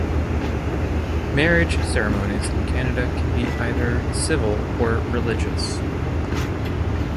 Marriage ceremonies in Canada can be either civil or religious.